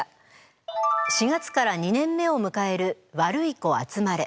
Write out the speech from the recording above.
４月から２年目をむかえる「ワルイコあつまれ」。